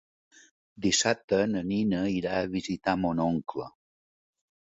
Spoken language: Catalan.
Dissabte na Nina irà a visitar mon oncle.